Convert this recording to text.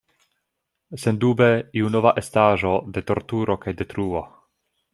Sendube iu nova estaĵo de torturo kaj detruo.